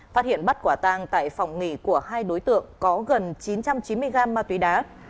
phát hiện bắt quả tang tại phòng nghỉ của hai đối tượng có gần chín trăm chín mươi gram ma túy đá